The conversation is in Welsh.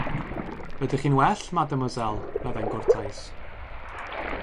"Rydych chi'n well, mademoiselle," meddai'n gwrtais.